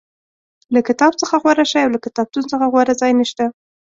له کتاب څخه غوره شی او له کتابتون څخه غوره ځای نشته.